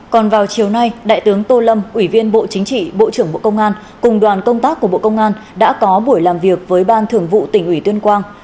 còn vào chiều nay đại tướng tô lâm ủy viên bộ chính trị bộ trưởng bộ công an cùng đoàn công tác của bộ công an đã có buổi làm việc với ban thường vụ tỉnh ủy tuyên quang